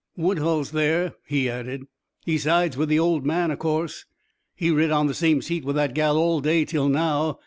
"Woodhull's there," he added. "He sides with the old man, o' course. He rid on the same seat with that gal all day till now.